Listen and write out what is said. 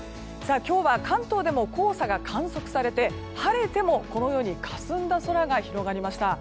今日は関東でも黄砂が観測されて晴れても、このようにかすんだ空が広がりました。